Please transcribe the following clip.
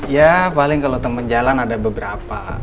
ya paling kalo temen jalan ada beberapa